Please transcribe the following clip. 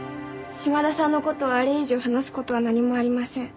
島田さんの事をあれ以上話す事は何もありません。